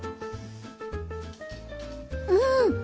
うん！